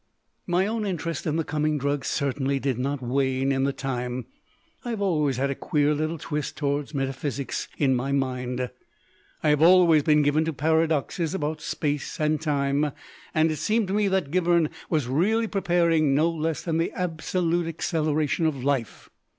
My own interest in the coming drug certainly did not wane in the time. I have always had a queer little twist towards metaphysics in my mind. I have always been given to paradoxes about space and time, and it seemed to me that Gibberne was really preparing no less than the absolute acceleration of life.